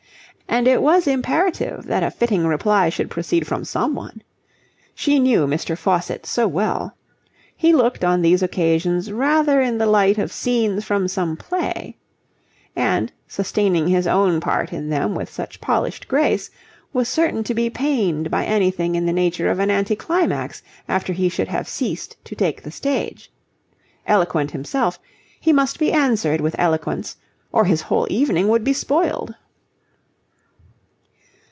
And it was imperative that a fitting reply should proceed from someone. She knew Mr. Faucitt so well. He looked on these occasions rather in the light of scenes from some play; and, sustaining his own part in them with such polished grace, was certain to be pained by anything in the nature of an anti climax after he should have ceased to take the stage. Eloquent himself, he must be answered with eloquence, or his whole evening would be spoiled.